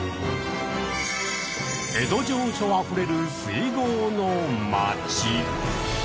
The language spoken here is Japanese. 江戸情緒あふれる水郷の町。